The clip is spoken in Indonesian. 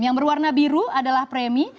yang berwarna biru adalah premi